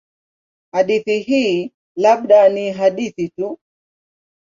Hadithi hii labda ni hadithi tu.